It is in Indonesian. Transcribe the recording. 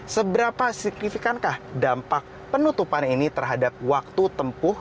seberapa signifikankah dampak penutupan ini terhadap waktu tempuh